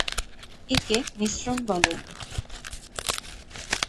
একে মিশ্রণ বলে।